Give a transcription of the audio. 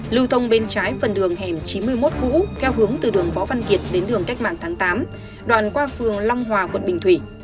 lưu thông bên trái phần đường hẻm chín mươi một cũ theo hướng từ đường võ văn kiệt đến đường cách mạng tháng tám đoạn qua phường long hòa quận bình thủy